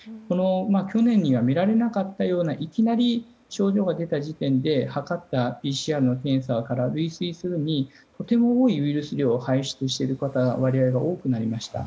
去年には見られなかったようないきなり症状が出た事件でＰＣＲの検査から類推するにとても多いウイルス量を排出している割合が多くなりました。